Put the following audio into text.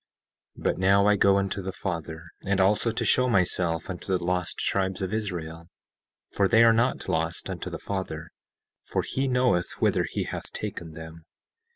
17:4 But now I go unto the Father, and also to show myself unto the lost tribes of Israel, for they are not lost unto the Father, for he knoweth whither he hath taken them.